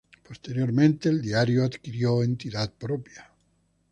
Posteriormente, el diario adquirió entidad propia.